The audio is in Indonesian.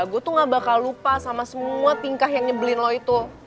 gue tuh gak bakal lupa sama semua tingkah yang nyebelin lo itu